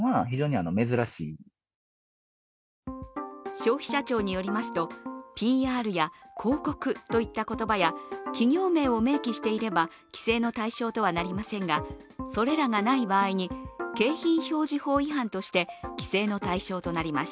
消費者庁によりますと、「ＰＲ」や「広告」といった言葉や企業名を明記していれば規制の対象とはなりませんが、それらがない場合に、景品表示法違反として規制の対象となります。